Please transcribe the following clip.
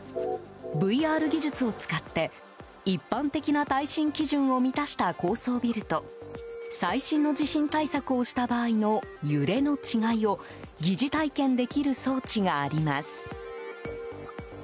ＶＲ技術を使って一般的な耐震基準を満たした高層ビルと最新の地震対策をした場合の揺れの違いを疑似体験できる装置があります。